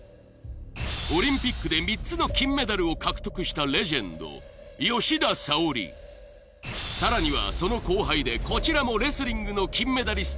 オリンピックで３つの金メダルを獲得したレジェンド吉田沙保里さらにはその後輩でこちらもレスリングの金メダリスト